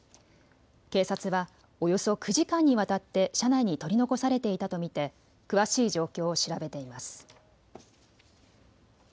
警察はおよそ９時間にわたって車内に取り残されていたと見て詳しい状況を調べています。